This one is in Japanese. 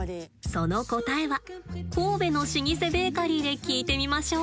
その答えは神戸の老舗ベーカリーで聞いてみましょう。